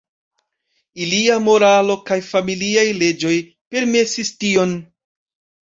Iliaj moralo kaj familiaj leĝoj permesis tion.